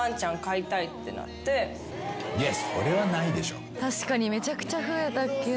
いやそれはないでしょ。